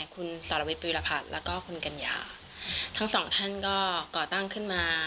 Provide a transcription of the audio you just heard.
คุณสรวิทยวีรพัฒน์แล้วก็คุณกัญญาทั้งสองท่านก็ก่อตั้งขึ้นมา